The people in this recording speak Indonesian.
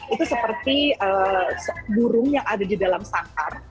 itu seperti burung yang ada di dalam sangkar